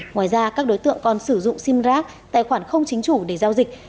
ngoài ra các đối tượng còn sử dụng sim rac tài khoản không chính chủ để giao dịch